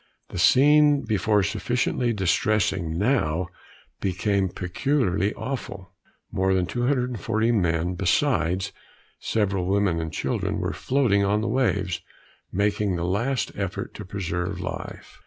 The scene, before sufficiently distressing, now became peculiarly awful. More than 240 men, besides several women and children, were floating on the waves, making the last effort to preserve life.